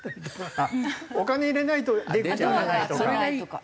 お金入れないと出口開かないとか。